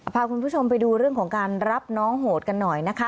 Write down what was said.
พาคุณผู้ชมไปดูเรื่องของการรับน้องโหดกันหน่อยนะคะ